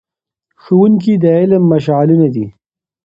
ښوونکي د علم مشعلونه دي.